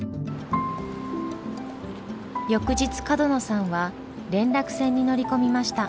翌日角野さんは連絡船に乗り込みました。